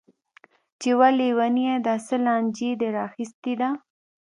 چې وه ليونيه دا څه لانجه دې راخيستې ده.